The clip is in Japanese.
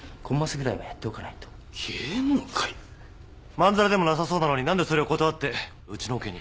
まんざらでもなさそうなのに何でそれを断ってうちのオケに？